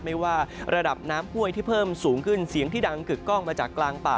ไม่ว่าระดับน้ำห้วยที่เพิ่มสูงขึ้นเสียงที่ดังกึกกล้องมาจากกลางป่า